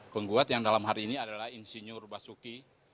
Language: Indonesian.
pengguat yang dalam hari ini adalah insinyur basuki